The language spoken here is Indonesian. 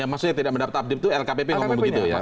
maksudnya tidak mendapat update itu lkpp ngomong begitu ya